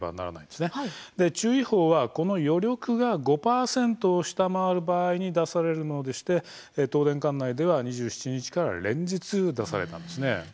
で、注意報はこの余力が５％を下回る場合に出されるものでして東電管内では、２７日から連日出されたんですね。